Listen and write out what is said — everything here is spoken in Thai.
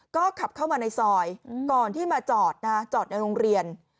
ก็ขับเข้ามาในซอยก่อนที่มาจอดนะจอดในโรงเรียน